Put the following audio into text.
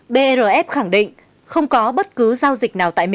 brf khẳng định không có bất cứ giao dịch nào tại mỹ